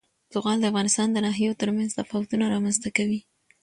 زغال د افغانستان د ناحیو ترمنځ تفاوتونه رامنځ ته کوي.